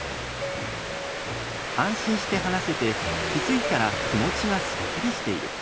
安心して話せて、気付いたら気持ちがすっきりしている。